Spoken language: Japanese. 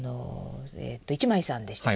一枚さんでしたっけ？